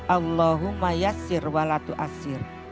allahumma yassir wa la tuassir